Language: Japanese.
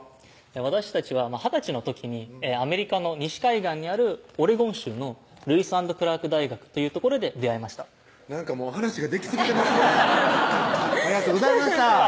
私たちは二十歳の時にアメリカの西海岸にあるオレゴン州のルイス＆クラーク大学という所で出会いましたなんか話ができすぎてますねありがとうございました！